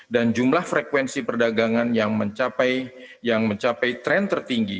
dan jumlah frekuensi perdagangan yang mencapai tren tertinggi